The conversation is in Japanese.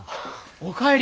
お帰り！